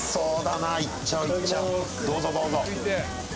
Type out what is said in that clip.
どうぞどうぞ。